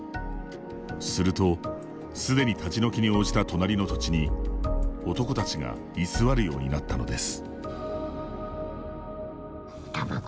すると、すでに立ち退きに応じた隣の土地に男たちが居座るようになったのです。